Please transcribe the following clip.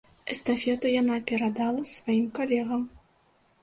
Эстафету яна перадала сваім калегам.